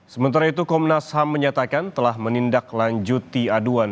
sementara itu komnas ham menyatakan telah menindaklanjuti aduan